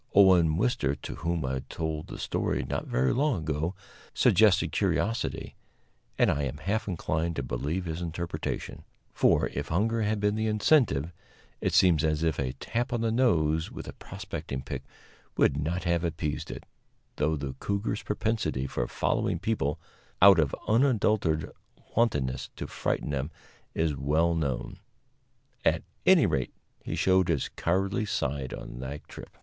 Owen Wister, to whom I told the story not very long ago, suggested curiosity, and I am half inclined to believe his interpretation; for, if hunger had been the incentive, it seems as if a tap on the nose with a prospecting pick would not have appeased it, though the cougar's propensity for following people, out of unadulterated wantonness to frighten them, is well known. At any rate, he showed his cowardly side that trip.